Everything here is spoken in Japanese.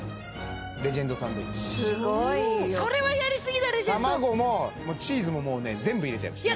レジェンドサンドイッチすごいよ卵もチーズももうね全部入れちゃいました